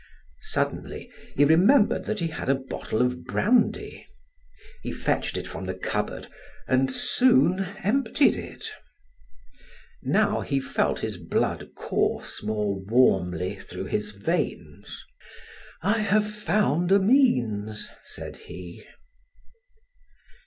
Suddenly he remembered that he had a bottle of brandy; he fetched it from the cupboard and soon emptied it. Now he felt his blood course more warmly through his veins. "I have found a means," said he.